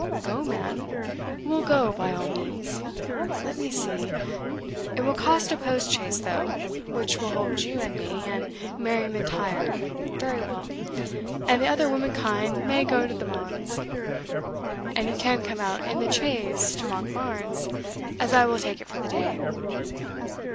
"Go, man we'll go, by all means. Let me see it will cost a post chaise though, which will hold you and me, and Mary M'Intyre, very well and the other womankind may go to the manse and you can come out in the chaise to Monkbarns, as I will take it for the day."